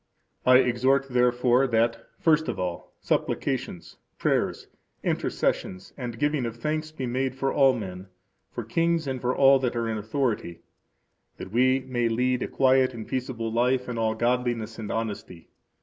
I exhort, therefore, that, first of all, supplications, prayers, intercessions, and giving of thanks be made for all men; for kings and for all that are in authority, that we may lead a quiet and peaceable life in all godliness and honesty.